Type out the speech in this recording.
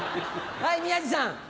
はい宮治さん。